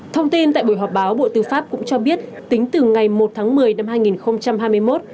thông tin tại buổi họp báo bộ tư pháp cũng cho biết tính từ ngày một tháng một mươi năm hai nghìn hai mươi một